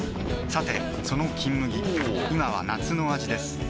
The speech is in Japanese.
さてその「金麦」今は夏の味ですおぉ！